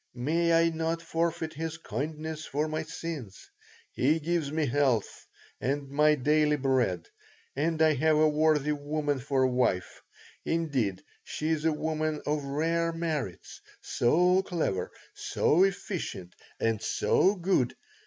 "May I not forfeit His kindness for my sins. He gives me health and my daily bread, and I have a worthy woman for a wife. Indeed, she is a woman of rare merits, so clever, so efficient, and so good.